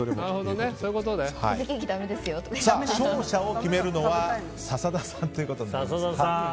勝者を決めるのは笹田さんということになります。